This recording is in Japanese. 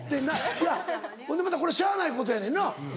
いやほんでまたこれしゃあないことやねんな。